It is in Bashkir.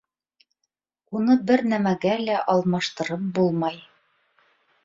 Уны бер нәмәгә лә алмаштырып булмай.